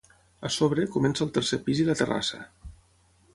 A sobre, comença el tercer pis i la terrassa.